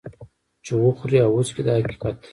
چې وخوري او وڅکي دا حقیقت دی.